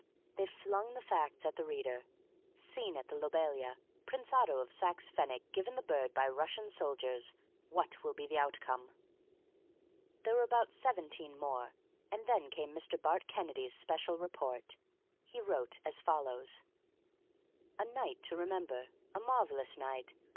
They flung the facts at the reader: SCENE AT THE LOBELIA PRINCE OTTO OF SAXE PFENNIG GIVEN THE BIRD BY RUSSIAN SOLDIERS WHAT WILL BE THE OUTCOME? There were about seventeen more, and then came Mr. Bart Kennedy's special report. He wrote as follows: "A night to remember. A marvellous night.